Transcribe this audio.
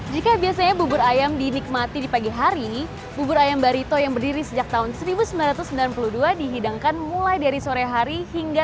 jika biasanya bubur ayam dinikmati di pagi hari bubur ayam barito yang berdiri sejak tahun seribu sembilan ratus sembilan puluh dua dihidangkan mulai dari sore hari hingga